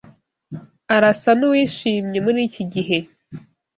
Arasa nuwishimye muriki gihe.